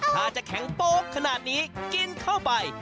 ถ้าจะแข็งโป๊กขนาดนี้กินเข้าไป